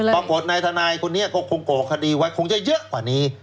ปรากฏนายทนายคนนี้ก็คงก่อคดีไว้คงจะเยอะกว่านี้